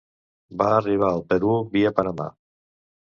Va arribar al Perú via Panamà.